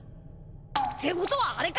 ってことはあれか！